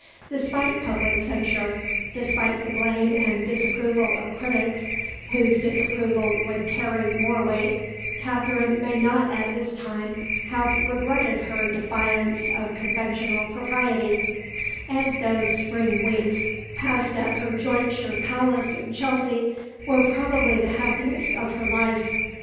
Despite public censure, despite the blame and disapproval of critics whose disapproval would carry more weight, Katherine may not at this time have regretted her defiance of conventional propriety; and those spring weeks, passed at her jointure palace in Chelsea, were probably the happiest of her life.